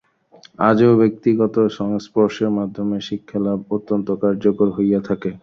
আজও ব্যক্তিগত সংস্পর্শের মাধ্যমেই শিক্ষালাভ অত্যন্ত কার্যকর হইয়া থাকে।